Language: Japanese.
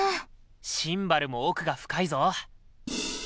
シンバルも奥が深いぞ。